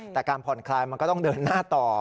แต่การผ่อนคลายมันก็ต้องเดินหน้าต่อ